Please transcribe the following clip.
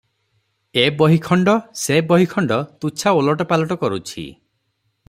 ଏ ବହି ଖଣ୍ଡ ସେ ବହି ଖଣ୍ଡ ତୁଚ୍ଛା ଓଲଟ ପାଲଟ କରୁଛି ।